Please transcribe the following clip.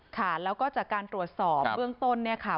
ค่ะแล้วก็จากการตรวจสอบเบื้องต้นเนี่ยค่ะ